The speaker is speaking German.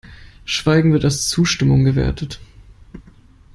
Schweigen wird als Zustimmung gewertet.